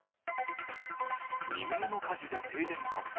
未明の火事で停電発生。